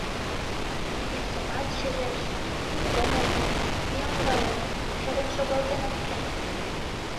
Весымат шижеш: ни кумыл дене, ни ондален, чарен шогалтен ок керт.